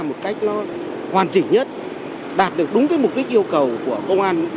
một cách nó hoàn chỉnh nhất đạt được đúng cái mục đích yêu cầu của công an